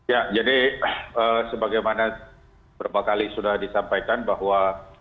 ya jadi sebagaimana berapa kali sudah disampaikan bahwa